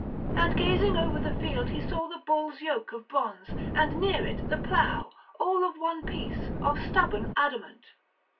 And gazing over the field he saw the bulls' yoke of bronze and near it the plough, all of one piece, of stubborn adamant.